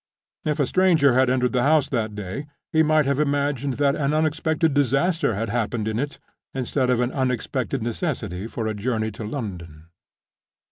If a stranger had entered the house that day, he might have imagined that an unexpected disaster had happened in it, instead of an unexpected necessity for a journey to London.